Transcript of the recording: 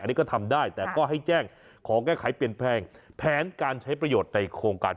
อันนี้ก็ทำได้แต่ก็ให้แจ้งขอแก้ไขเปลี่ยนแปลงแผนการใช้ประโยชน์ในโครงการ